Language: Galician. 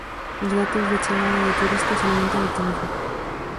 Os datos de chegada de turistas alimentan o optimismo.